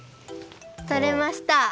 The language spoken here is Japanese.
とれました。